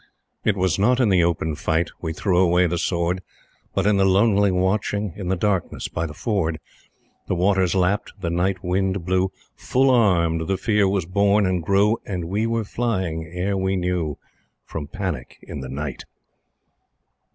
It was not in the open fight We threw away the sword, But in the lonely watching In the darkness by the ford. The waters lapped, the night wind blew, Full armed the Fear was born and grew, And we were flying ere we knew From panic in the night.